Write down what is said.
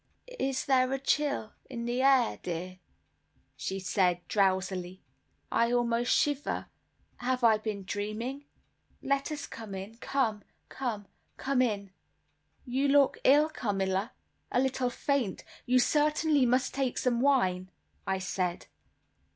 "Is there a chill in the air, dear?" she said drowsily. "I almost shiver; have I been dreaming? Let us come in. Come; come; come in." "You look ill, Carmilla; a little faint. You certainly must take some wine," I said.